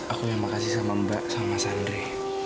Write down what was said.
aku yang makasih sama mbak sama sandre